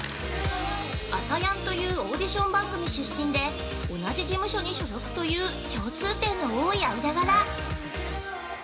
「ＡＳＡＹＡＮ」というオーディション番組出身で同じ事務所に所属という共通点の多い間柄。